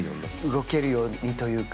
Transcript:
動けるようにというか。